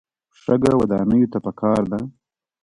شګه ودانیو ته پکار ده.